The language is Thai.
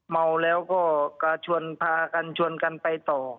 เมาแล้วก็กระชวนพากันชวนกันไปต่อ